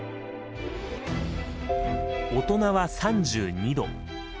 大人は３２℃。